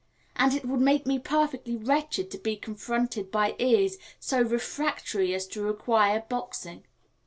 And it would make me perfectly wretched to be confronted by ears so refractory as to require boxing.